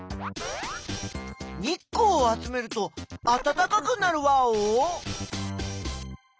日光を集めるとあたたかくなるワオ？